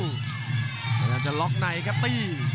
พยายามจะล็อกในครับตี